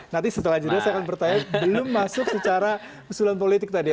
nanti setelah jeda saya akan bertanya belum masuk secara usulan politik tadi ya